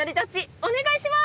お願いします！